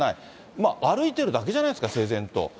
まあ歩いてるだけじゃないですか、整然と。